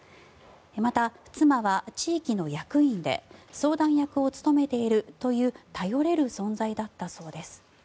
また、妻は地域の役員で相談役を務めているという頼れる存在だったそうです。